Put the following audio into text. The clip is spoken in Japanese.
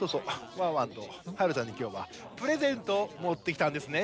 ワンワンとはるちゃんにきょうはプレゼントをもってきたんですね。